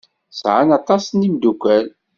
Sɛan aṭas n yimeddukal.